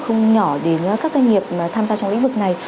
không nhỏ đến các doanh nghiệp tham gia trong lĩnh vực này